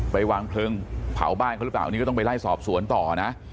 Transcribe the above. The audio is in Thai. ไปวางเพลิงเผาบ้านเขาหรือเปล่าอันนี้ก็ต้องไปไล่สอบสวนต่อนะ